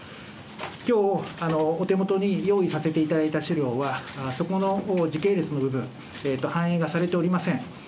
きょう、お手元に用意させていただいた資料は、そこの時系列の部分、反映がされておりません。